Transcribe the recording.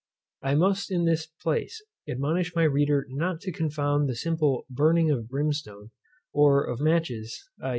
I must, in this place, admonish my reader not to confound the simple burning of brimstone, or of matches (_i.